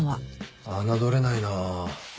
侮れないな。